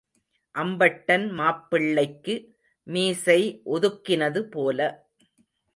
அம்பட்டன் மாப்பிள்ளைக்கு மீசை ஒதுக்கினது போல.